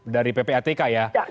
dari ppatk ya